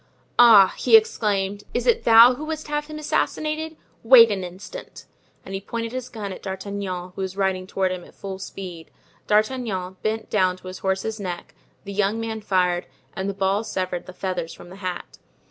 "Ah!" he exclaimed, "it is thou who wouldst have him assassinated? Wait an instant." And he pointed his gun at D'Artagnan, who was riding toward him at full speed. D'Artagnan bent down to his horse's neck, the young man fired, and the ball severed the feathers from the hat.